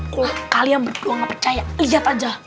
wah kalian berdua gak percaya lihat aja